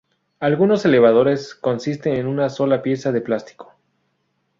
Algunos elevadores consisten en una sola pieza de plástico.